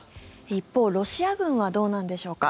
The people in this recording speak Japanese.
一方、ロシア軍はどうなんでしょうか。